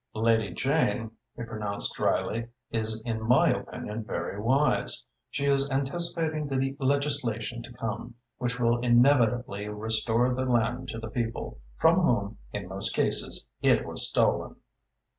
"Lady Jane," he pronounced drily, "is in my opinion very wise. She is anticipating the legislation to come, which will inevitably restore the land to the people, from whom, in most cases, it was stolen."